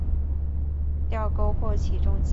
吊钩或起重机。